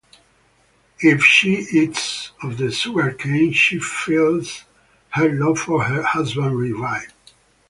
If she eats of the sugarcane, she feels her love for her husband revive.